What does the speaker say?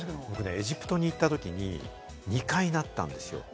エジプトに行ったときに２回なったんですよ。